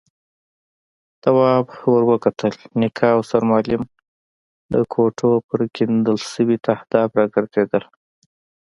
تواب ور وکتل، نيکه او سرمعلم د کوټو پر کېندل شوي تهداب راګرځېدل.